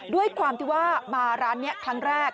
ด้วยความที่ว่ามาร้านนี้ครั้งแรก